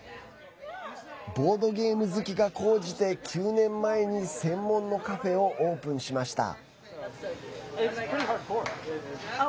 ボードゲーム好きが高じて９年前に専門のカフェをオープンしました。